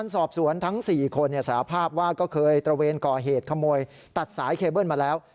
สอบสวนทั้ง๔คนสารภาพว่าก็เคยตระเวนก่อเหตุขโมยตัดสายเคเบิ้ลมาแล้ว